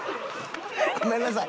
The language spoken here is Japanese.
ごめんなさい。